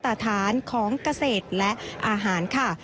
ตาฐานของเกษตรและอาหารค่ะ